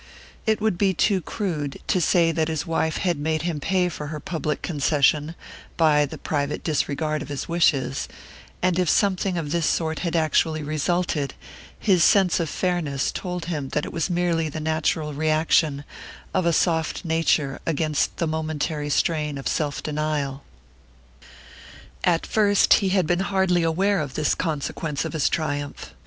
It would be too crude to say that his wife had made him pay for her public concession by the private disregard of his wishes; and if something of this sort had actually resulted, his sense of fairness told him that it was merely the natural reaction of a soft nature against the momentary strain of self denial. At first he had been hardly aware of this consequence of his triumph.